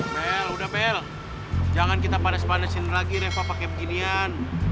mel udah mel jangan kita panas panasin lagi reva pake beginian